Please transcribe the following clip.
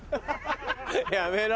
やめろ。